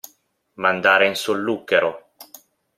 Mandare in solluchero.